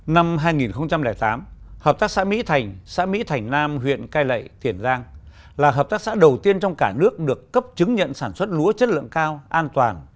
năm hai nghìn tám hợp tác xã mỹ thành xã mỹ thành nam huyện cai lệ tiền giang là hợp tác xã đầu tiên trong cả nước được cấp chứng nhận sản xuất lúa chất lượng cao an toàn